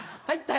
はい。